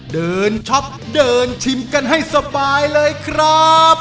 ชอบเดินชิมกันให้สบายเลยครับ